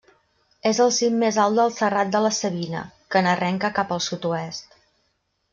És el cim més alt del Serrat de la Savina, que n'arrenca cap al sud-oest.